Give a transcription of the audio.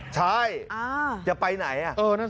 ใช่จะไปไหน